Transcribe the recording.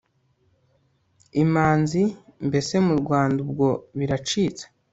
imanzi Mbese mu Rwanda ubwo biracitse